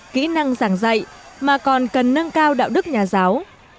kỹ năng giảng dạy mà còn cần nâng cao đạo đức nhà giáo